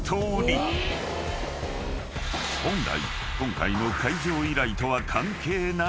［本来今回の解錠依頼とは関係ない金庫］